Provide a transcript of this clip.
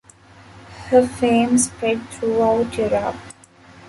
Her fame spread throughout Europe.